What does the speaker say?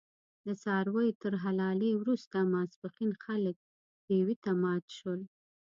د څارویو تر حلالې وروسته ماسپښین خلک پېوې ته مات شول.